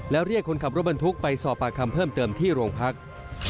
แล้วเรียกคนขับรถบรรทุกไปสอบปากคำเพิ่มเติมที่โรงพัก